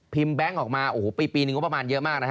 พิมพ์แบงค์ออกมาปีปีนึงประมาณเยอะมากนะฮะ